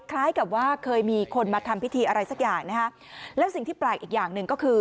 คล้ายกับว่าเคยมีคนมาทำพิธีอะไรสักอย่างนะฮะแล้วสิ่งที่แปลกอีกอย่างหนึ่งก็คือ